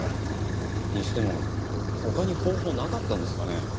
にしても他に方法なかったんですかね。